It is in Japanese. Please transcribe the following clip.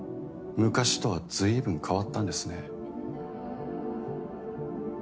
昔とは随分変わったんですね。